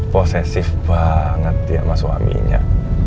possesif banget dia sama suaminya